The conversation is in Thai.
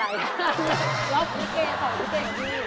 รอพี่เก่งของพี่เก่งพี่